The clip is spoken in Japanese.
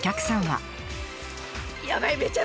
やばい！